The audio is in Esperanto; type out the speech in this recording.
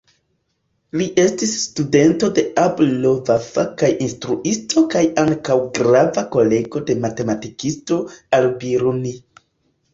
Li estis studento de Abu'l-Vafa kaj instruisto kaj ankaŭ grava kolego de matematikisto, Al-Biruni.